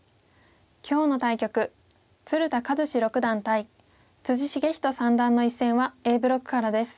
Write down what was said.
今日の対局鶴田和志六段対篤仁三段の一戦はＡブロックからです。